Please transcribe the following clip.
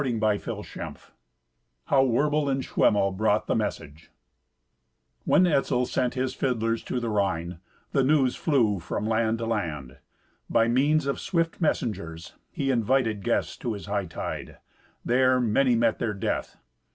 Twenty Fourth Adventure How Werbel and Schwemmel Brought the Message When Etzel sent his fiddlers to the Rhine, the news flew from land to land. By means of swift messengers, he invited guests to his hightide. There many met their death.